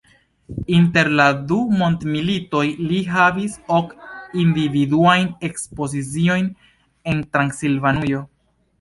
Inter la du mondmilitoj li havis ok individuajn ekspoziciojn en Transilvanujo.